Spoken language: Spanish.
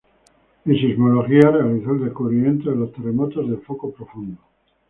En sismología, realizó el descubrimiento de los terremotos de foco profundo.